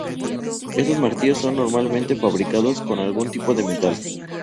Estos martillos son normalmente fabricados con algún tipo de metal.